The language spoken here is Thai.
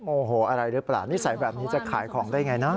โอ้โหอะไรหรือเปล่านิสัยแบบนี้จะขายของได้ไงนะ